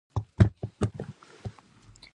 جلال اباد ولې د تل پسرلي ښار دی؟